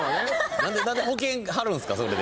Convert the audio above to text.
何で保険張るんすか？